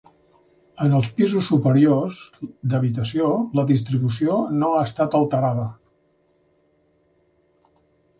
En els pisos superiors, d'habitació, la distribució no ha estat alterada.